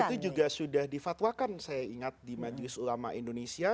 itu juga sudah difatwakan saya ingat di majelis ulama indonesia